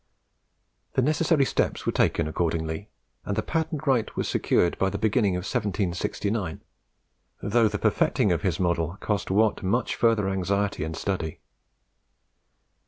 The necessary steps were taken accordingly and the patent right was secured by the beginning of 1769, though the perfecting of his model cost Watt much further anxiety and study.